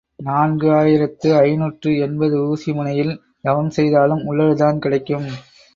நான்கு ஆயிரத்து ஐநூற்று எண்பது ஊசி முனையில் தவம் செய்தாலும் உள்ளதுதான் கிடைக்கும்.